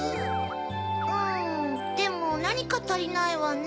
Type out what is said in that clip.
うんでもなにかたりないわね。